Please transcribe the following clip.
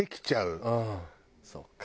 そっか。